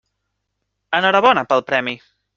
Enhorabona pel premi.